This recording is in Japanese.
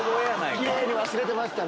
キレイに忘れてましたね。